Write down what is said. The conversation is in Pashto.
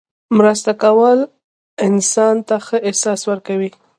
مرسته کول انسان ته ښه احساس ورکوي.